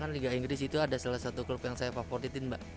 liga inggris itu ada salah satu klub yang saya favoritin mbak